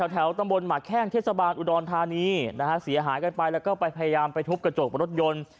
แถวตำบลหมากแข้งเทศบาลอุดรธานีนะฮะเสียหายกันไปแล้วก็ไปพยายามไปทุบกระจกรถยนต์